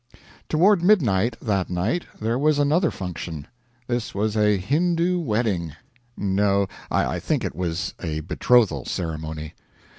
Toward midnight, that night, there was another function. This was a Hindoo wedding no, I think it was a betrothal ceremony.